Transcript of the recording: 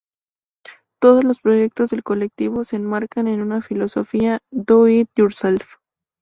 Todos los proyectos del colectivo se enmarcan en una filosofía "Do it yourself".